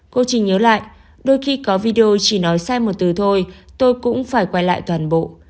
cô trình nhớ lại đôi khi có video chỉ nói sai một từ thôi tôi cũng phải quay lại toàn bộ